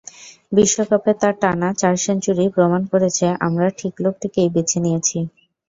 বিশ্বকাপে তাঁর টানা চার সেঞ্চুরি প্রমাণ করেছে আমরা ঠিক লোকটিকেই বেছে নিয়েছি।